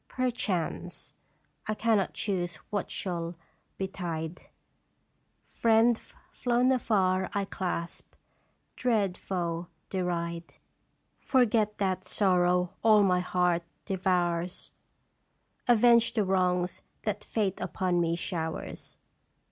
Perchance I cannot choose what shall betide Friend flown afar I clasp, dread foe deride, Forget that sorrow all my heart devours, Avenge the wrongs that Fate upon me showers.